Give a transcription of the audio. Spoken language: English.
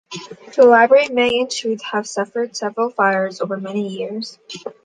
The library may in truth have suffered several fires over many years.